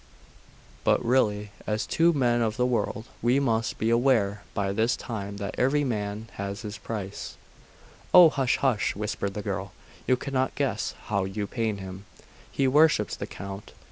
But really, as two men of the world, we must be aware by this time that every man has his price.'.... 'Oh, hush! hush!' whispered the girl. 'You cannot guess how you pain him. He worships the Count.